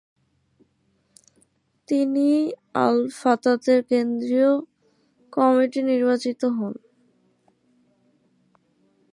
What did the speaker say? তিনি আল-ফাতাতের কেন্দ্রীয় কমিটিতে নির্বাচিত হন।